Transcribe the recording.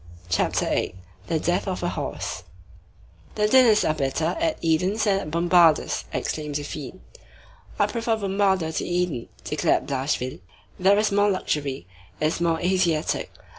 CHAPTER VIII—THE DEATH OF A HORSE "The dinners are better at Édon's than at Bombarda's," exclaimed Zéphine. "I prefer Bombarda to Édon," declared Blachevelle. "There is more luxury. It is more Asiatic.